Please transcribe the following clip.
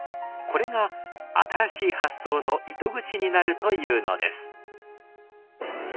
これが新しい発想の糸口になるというのです。